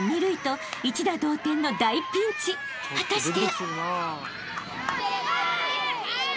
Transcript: ［果たして？］